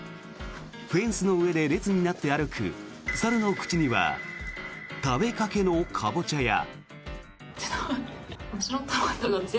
フェンスの上で列になって歩く猿の口には食べかけのカボチャや。